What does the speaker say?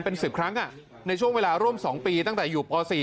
เป็น๑๐ครั้งในช่วงเวลาร่วม๒ปีตั้งแต่อยู่ป๔